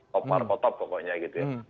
top par potop pokoknya gitu ya